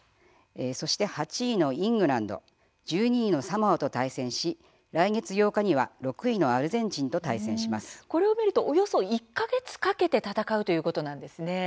そして８位のイングランド１２位のサモアと対戦し来月８日には、６位のこれを見るとおよそ１か月かけて戦うということなんですね。